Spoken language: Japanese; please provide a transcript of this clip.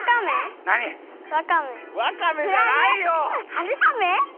はるさめ？